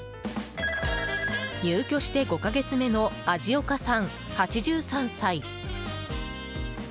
入居して５か月目の味岡さん、８３歳。